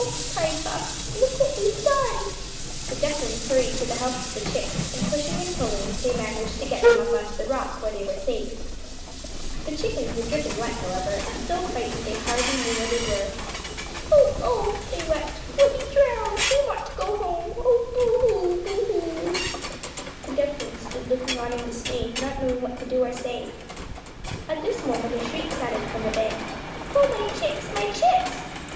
cried Buff. "Look what we've done." The ducklings hurried to the help of the chicks, and pushing and pulling they managed to get them up on the rock where they were safe. [Illustration: "Well, you can come along with men and I'll show it to you"] The chickens were dripping wet however and so frightened they hardly knew where they were. "Oh! oh!" they wept. "We'll be drowned! We want to go home. Oh! Boo hoo! Boo hoo!" The ducklings stood looking on in dismay, not knowing what to do or say. At this moment a shriek sounded from the bank. "Oh, my chicks! my chicks!"